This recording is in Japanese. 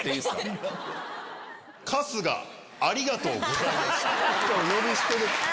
「春日ありがとうございました」。